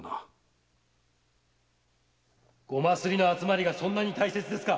〔ごますりの集まりがそんなに大切ですか？